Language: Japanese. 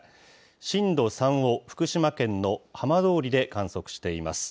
震度３を福島県の浜通りで観測しています。